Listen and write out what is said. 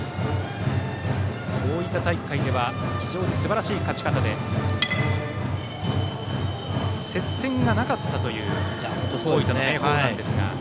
大分大会では非常にすばらしい勝ち方で接戦がなかったという大分・明豊なんですが。